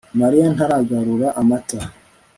Mariya ntaragura amata